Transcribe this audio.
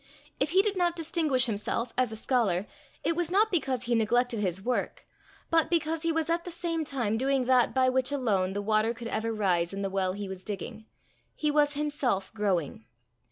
If he did not distinguish himself as a scholar, it was not because he neglected his work, but because he was at the same time doing that by which alone the water could ever rise in the well he was digging: he was himself growing.